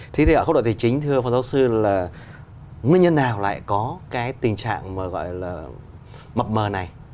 thế thì ở góc độ tài chính thưa phó giáo sư là nguyên nhân nào lại có cái tình trạng mà gọi là mập mờ này